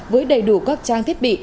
với đầy đủ các trang thiết bị